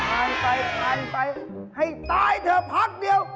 อ่านไปอ่านไปให้ตายเถอะพักเดียว